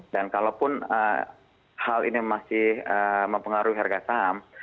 kalaupun hal ini masih mempengaruhi harga saham